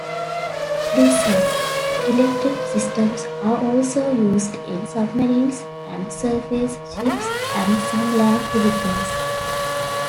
Diesel-electric systems are also used in submarines and surface ships and some land vehicles.